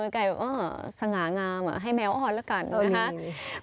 ไก่สง่างามให้แมวอ้อนแล้วกันนะคะ